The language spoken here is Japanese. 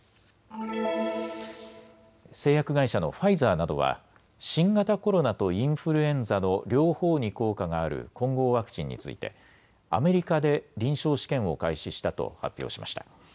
製薬会社のファイザーなどは新型コロナとインフルエンザの両方に効果がある混合ワクチンについてアメリカで臨床試験を開始したと発表しました。